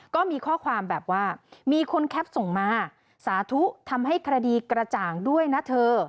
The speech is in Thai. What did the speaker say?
ก็มีข้อความแบบว่ามีคนแคปส่งมาสาธุทำให้คดีกระจ่างด้วยนะเธอ